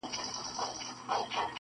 چي « منظور» به هم د قام هم د الله سي-